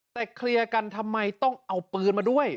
แต่เคลียร์กันทำไมต้องเอาปืนมาด้วย